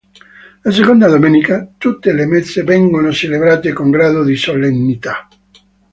La seconda domenica tutte le messe vengono celebrate con grado di solennità.